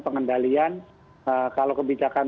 pengendalian kalau kebijakan